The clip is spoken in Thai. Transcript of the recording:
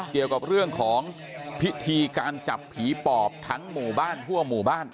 เกี่ยวกับเรื่องของพิธีการจับผีปอบทั้งหมู่บ้านทั่วหมู่บ้าน